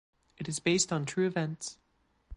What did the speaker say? It is based on true events.